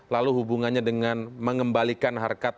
lalu hubungannya dengan mengembalikan harkat